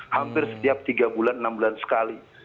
hampir setiap tiga bulan enam bulan sekali